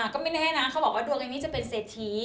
ก็ไม่แน่นะเขาบอกว่าดวงอันนี้จะเป็นเศรษฐี